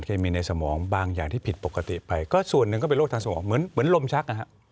เคมีในสมองบางอย่างที่ผิดปกติไปก็ส่วนหนึ่งก็เป็นโรคทางสมองเหมือนลมชักนะฮะ